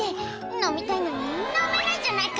飲みたいのに、飲めないじゃないか。